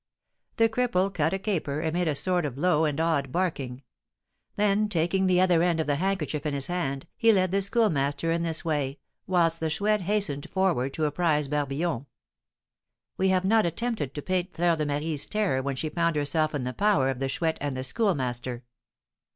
The cripple cut a caper, and made a sort of low and odd barking. Then, taking the other end of the handkerchief in his hand, he led the Schoolmaster in this way, whilst the Chouette hastened forward to apprise Barbillon. We have not attempted to paint Fleur de Marie's terror when she found herself in the power of the Chouette and the Schoolmaster.